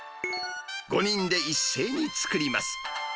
５人で一斉に作ります。